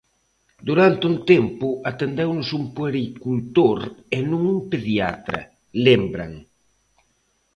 "Durante un tempo atendeunos un puericultor e non un pediatra", lembran.